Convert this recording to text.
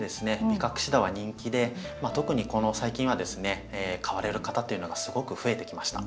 ビカクシダは人気で特にこの最近はですね買われる方っていうのがすごく増えてきました。